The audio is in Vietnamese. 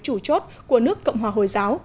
chủ chốt của nước cộng hòa hồi giáo